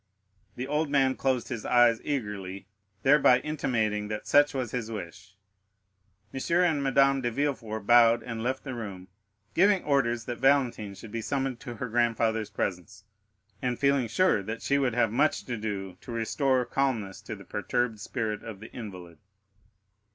The old man closed his eyes eagerly, thereby intimating that such was his wish. M. and Madame de Villefort bowed and left the room, giving orders that Valentine should be summoned to her grandfather's presence, and feeling sure that she would have much to do to restore calmness to the perturbed spirit of the invalid.